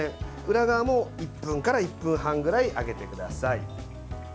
裏側も１分から１分半くらい揚げてください。